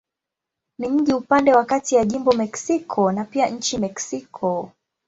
Ni mji upande wa kati ya jimbo Mexico na pia nchi Mexiko.